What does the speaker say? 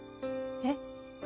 えっ？